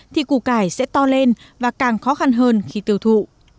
thì củ cải sẽ to lên và càng khó khăn hơn khi tiêu thụ